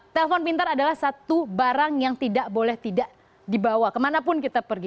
telepon pintar adalah satu barang yang tidak boleh tidak dibawa kemanapun kita pergi